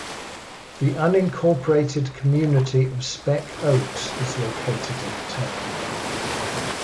The unincorporated community of Speck Oaks is located in the town.